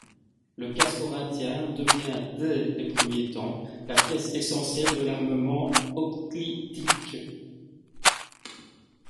Le casque corinthien devient dès les premiers temps la pièce essentielle de l’armement hoplitique.